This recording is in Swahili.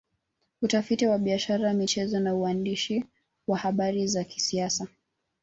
Utafiti wa biashara michezo na uandishi wa habari za kisiasa